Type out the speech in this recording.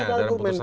harus ada argumen